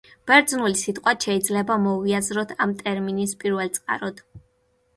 ბერძული სიტყვაც შეიძლება მოვიაზროთ ამ ტერმინის პირველწყაროდ.